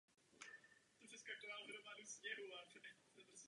V tom kostele na věži visel zlatý zvon.